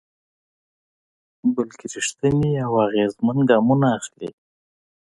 بلکې رېښتيني او اغېزمن ګامونه اخلي.